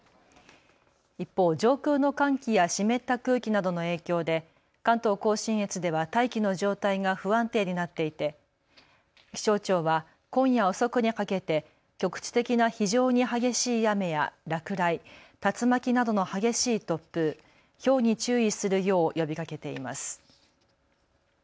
一方、上空の寒気や湿った空気などの影響で関東甲信越では大気の状態が不安定になっていて気象庁は今夜遅くにかけて局地的な非常に激しい雨や落雷、竜巻などの激しい突風、ひょうに注意するよう呼びかけています。